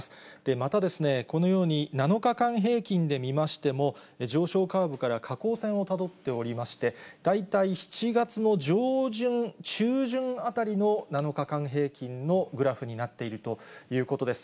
また、このように７日間平均で見ましても、上昇カーブから下降線をたどっておりまして、大体７月の上旬、中旬あたりの７日間平均のグラフになっているということです。